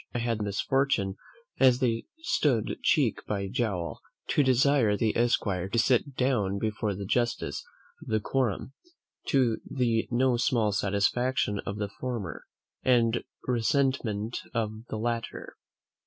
I had the misfortune, as they stood cheek by jowl, to desire the esquire to sit down before the justice of the quorum, to the no small satisfaction of the former, and resentment of the latter.